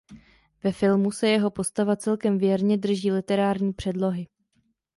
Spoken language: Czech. Ve filmu se jeho postava celkem věrně drží literární předlohy.